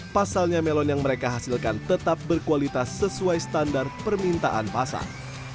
pasalnya melon yang mereka hasilkan tetap berkualitas sesuai standar permintaan pasar